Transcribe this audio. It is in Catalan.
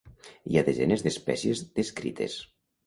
Hi ha desenes d'espècies descrites.